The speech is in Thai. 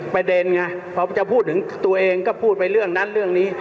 ประเด็นไงพอจะพูดถึงตัวเองก็พูดไปเรื่องนั้นเรื่องนี้